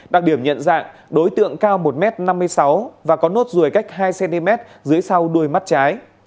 đặc điểm nhận dạng đối tượng cao một m năm mươi sáu và có nốt ruồi cách hai cm dưới sau đuôi mắt trái